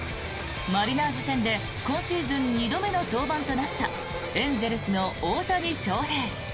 マリナーズ戦で今シーズン２度目の登板となったエンゼルスの大谷翔平。